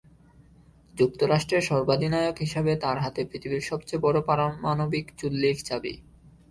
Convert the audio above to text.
যুক্তরাষ্ট্রের সর্বাধিনায়ক হিসেবে তাঁর হাতে পৃথিবীর সবচেয়ে বড় পারমাণবিক চুল্লির চাবি।